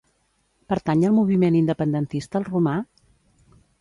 Pertany al moviment independentista el Romà?